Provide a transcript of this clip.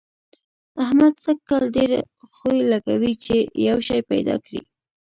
احمد سږ کال ډېرې خوې لګوي چي يو شی پيدا کړي.